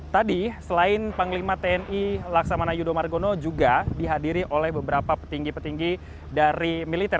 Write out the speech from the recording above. tadi selain panglima tni laksamana yudho margono juga dihadiri oleh beberapa petinggi petinggi dari militer